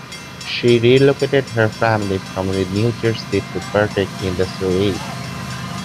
She relocated her family from New Jersey to partake in the series.